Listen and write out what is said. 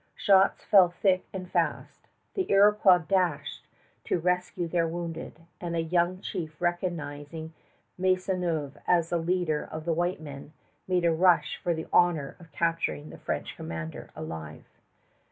Shots fell thick and fast. The Iroquois dashed to rescue their wounded, and a young chief, recognizing Maisonneuve as the leader of the white men, made a rush for the honor of capturing the French commander alive.